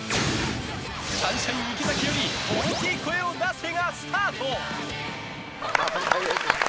サンシャイン池崎より大きい声を出せ！がスタート。